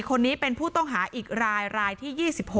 คนนี้เป็นผู้ต้องหาอีกรายรายที่๒๖